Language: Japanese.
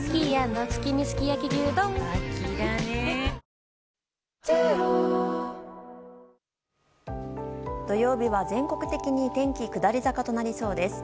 ペイトク土曜日は全国的に天気下り坂となりそうです。